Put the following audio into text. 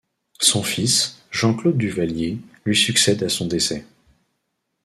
Son fils, Jean-Claude Duvalier, lui succède à son décès.